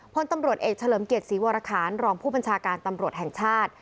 พลตำรวจเอกเฉลิมเกียรติศรีวรคารรองผู้บัญชาการตำรวจแห่งชาติ